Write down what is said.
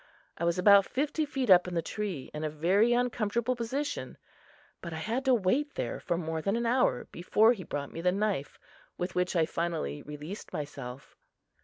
I was about fifty feet up in the tree, in a very uncomfortable position, but I had to wait there for more than an hour before he brought me the knife with which I finally released myself.